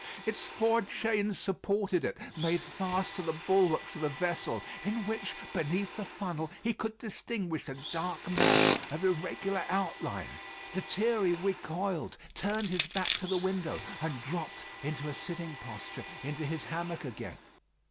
Its four chains supported it, made fast to the bulwarks of a vessel in which, beneath the funnel, he could distinguish a dark mass of irregular outline. Lethierry recoiled, turned his back to the window, and dropped in a sitting posture into his hammock again.